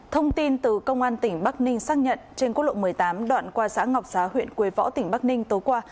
thông tin từ công an tỉnh bắc ninh xác nhận trên quốc lộ một mươi tám đoạn qua xã ngọc xá huyện quế võ tỉnh bắc ninh tối qua